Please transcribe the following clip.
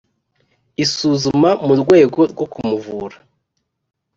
Isuzuma mu rwego rwo kumuvura